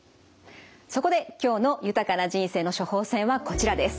そこで今日の豊かな人生の処方せんはこちらです。